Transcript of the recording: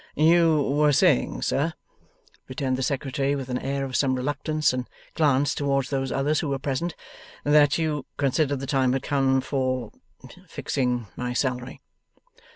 'You were saying, sir,' returned the Secretary, with an air of some reluctance and a glance towards those others who were present, 'that you considered the time had come for fixing my salary.